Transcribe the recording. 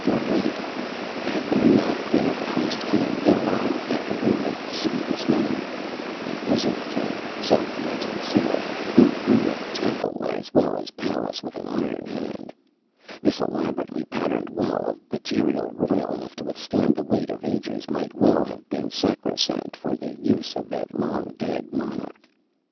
Or wait had there not been a priest king Illar after whom the city was named? A wizard king, so legend said, who ruled temple as well as palace with an iron hand. This elaborately patterned well, of material royal enough to withstand the weight of ages, might well have been sacrosanct for the use of that long dead monarch.